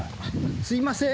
すいません！